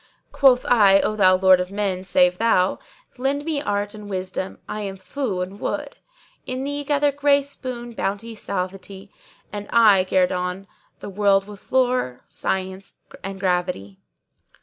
Quoth I, 'O thou Lord of men, save thou * Lend me art and wisdom I'm fou and wood In thee gather grace, boon, bounty, suavity, * And I guerdon the world with lore, science and gravity.'